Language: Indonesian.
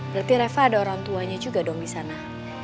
berarti reva ada orang tuanya juga dong di sana